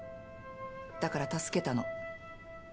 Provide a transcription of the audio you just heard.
だから助けたの。